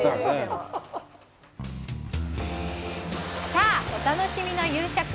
さあ、お楽しみの夕食。